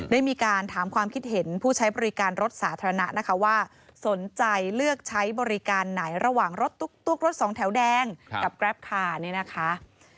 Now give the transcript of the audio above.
ได้มีการถามความคิดเห็นผู้ใช้บริการรถสาธารณะนะคะว่าสนใจเลือกใช้บริการไหนระหว่างรถตุ๊กรถสองแถวแดงกับแกรปคาร์เนี่ยนะคะ